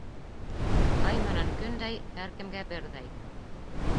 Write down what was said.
Ай менән көндәй, һәр кемгә берҙәй.